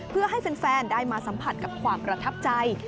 เพื่อให้แฟนได้มาสัมผัสกับความประทับใจ